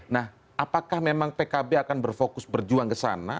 nah apakah memang pkb akan berfokus berjuang ke sana